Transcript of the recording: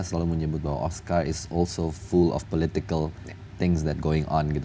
selalu menyebut bahwa oscar juga penuh dengan hal hal politik yang berlaku